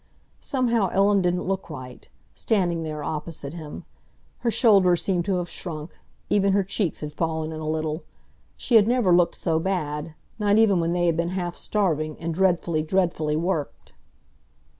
Somehow Ellen didn't look right, standing there opposite him. Her shoulders seemed to have shrunk; even her cheeks had fallen in a little. She had never looked so bad—not even when they had been half starving, and dreadfully, dreadfully worked.